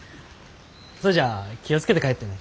それじゃあ気を付けて帰ってね